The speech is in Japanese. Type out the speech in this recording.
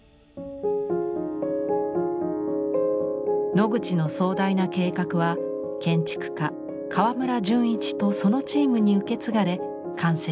ノグチの壮大な計画は建築家川村純一とそのチームに受け継がれ完成します。